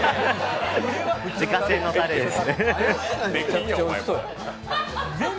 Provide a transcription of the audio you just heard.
自家製のたれです。